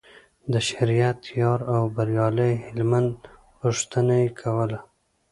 د شریعت یار او بریالي هلمند پوښتنه یې کوله.